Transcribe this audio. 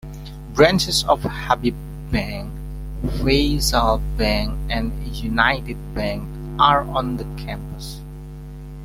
Branches of Habib Bank, Faysal Bank and United Bank are on the campus.